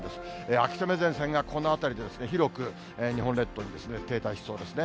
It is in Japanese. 秋雨前線がこのあたりで広く日本列島に停滞しそうですね。